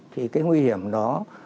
thì cái nguy hiểm đó